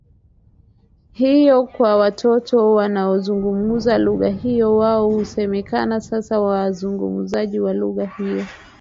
hii kwa watoto wanaozungumza lugha hiyo wao husemekana sasa wanazungumza lugha hiyo